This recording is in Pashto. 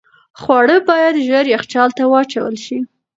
خواړه باید ژر یخچال ته واچول شي.